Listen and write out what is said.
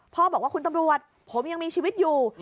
พ่อบอกว่าคุณตำรวจผมยังมีชีวิตอยู่